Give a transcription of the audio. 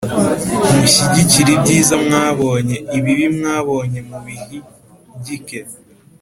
mushyigikire ibyiza mwabonye, ibibi mwabonye mubihigike